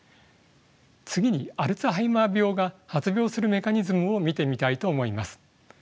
次にアルツハイマー病が発病するメカニズムを見てみたいと思います。